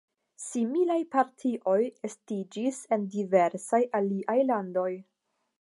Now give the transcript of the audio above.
Similaj partioj estiĝis en diversaj aliaj landoj.